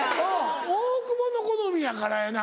大久保の好みやからやな